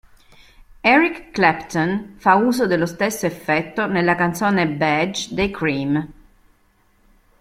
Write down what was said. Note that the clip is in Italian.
Eric Clapton fa uso dello stesso effetto nella canzone "Badge" dei Cream.